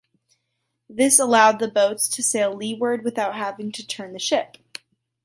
This allowed the boats to sail leeward without having to turn the ship.